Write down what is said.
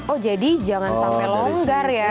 oh jadi jangan sampai longgar ya